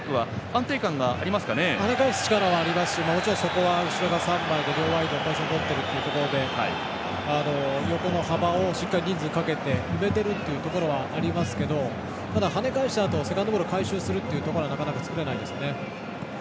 跳ね返す力があって後ろ３枚で両ワイドポジションとっているというところで横の幅をしっかり人数かけて埋めてるというところはありますけどただ跳ね返したあとセカンドボール回収するところがあまり作れないですね。